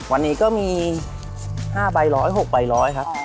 วันนี้ก็มี๕ใบ๑๐๖ใบร้อยครับ